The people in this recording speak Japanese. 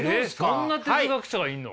そんな哲学者がいるの？